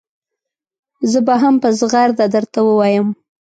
زه به هم په زغرده درته ووایم.